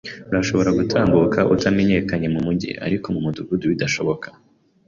Urashobora gutambuka utamenyekanye mumujyi, ariko mumudugudu bidashoboka.